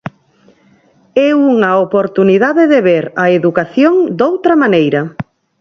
É unha oportunidade de ver a educación doutra maneira.